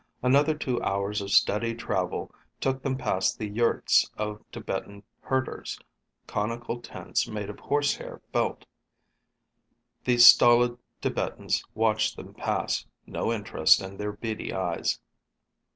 Another two hours of steady travel took them past the yurts of Tibetan herders conical tents made of horsehair felt. The stolid Tibetans watched them pass, no interest in their beady eyes.